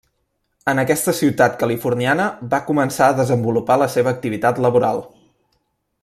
En aquesta ciutat californiana va començar a desenvolupar la seva activitat laboral.